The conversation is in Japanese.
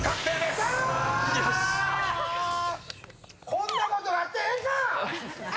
こんなことがあってええんか！